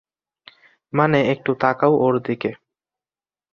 মানে, একটু তাকাও ওর দিকে।